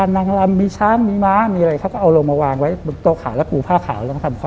นอนหักขึ้นเอวหักแฮนหัก